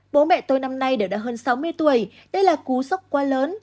bố mẹ tôi năm nay đều đã hơn sáu mươi tuổi đây là cú sốc quá lớn